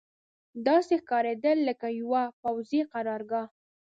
داسې ښکارېدل لکه یوه پوځي قرارګاه.